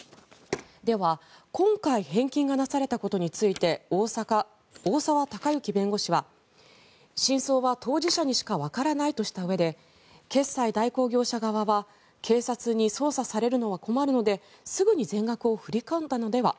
では、今回返金がなされたことについて大澤孝征弁護士は真相は当事者にしかわからないとしたうえで決済代行業者側は警察に捜査されるのは困るのですぐに全額を振り込んだのでは。